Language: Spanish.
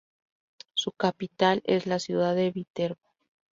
Su capital es la ciudad de Viterbo.